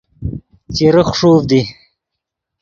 چیرے خݰوڤد ای